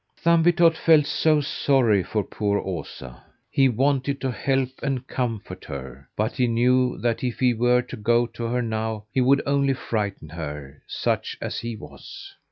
Thumbietot felt so sorry for poor Osa. He wanted to help and comfort her; but he knew that if he were to go to her now, he would only frighten her such as he was!